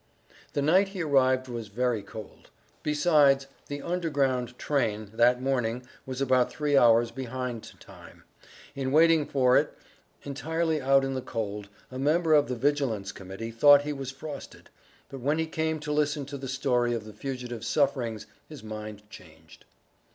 The night he arrived was very cold; besides, the Underground train, that morning, was about three hours behind time; in waiting for it, entirely out in the cold, a member of the Vigilance Committee thought he was frosted. But when he came to listen to the story of the Fugitive's sufferings, his mind changed.